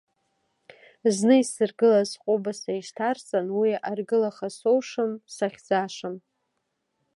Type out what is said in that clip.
Зны исыргылаз ҟәыбаса ишьҭарҵан, уи аргылаха соушам, сахьӡашам.